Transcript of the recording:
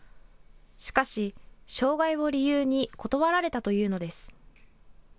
しかし障害を理由に断られたというのです。